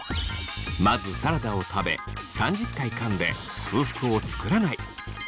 まずサラダを食べ３０回かんで空腹を作らない。